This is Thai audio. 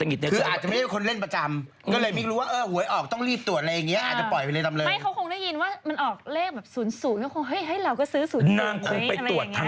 คืออาจจะไม่ได้คนเล่นประจำ